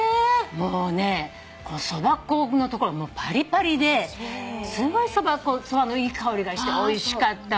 もうねそば粉のところパリパリですごいそばのいい香りがしておいしかったわ。